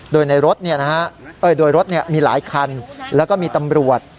โดยในรถเนี้ยนะฮะเอ้ยโดยรถเนี้ยมีหลายคันแล้วก็มีตำรวจ